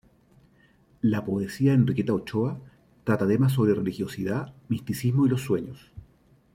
La poesía de Enriqueta Ochoa trata temas sobre religiosidad, misticismo y los sueños.